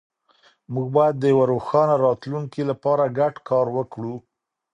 موږ باید د یو روښانه راتلونکي لپاره ګډ کار وکړو.